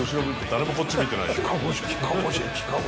誰もこっち見てないです。